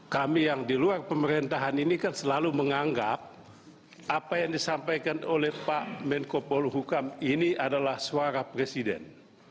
kami yang di luar pemerintahan ini kan selalu menganggap apa yang disampaikan oleh pak menko polhukam ini adalah suara presiden